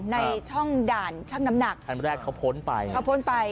ในช่องด่านช่างน้ำหนักคันแรกเขาพ้นไป